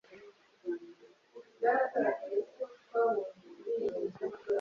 Itabi rye ryatwitse umwobo mu myenda ye.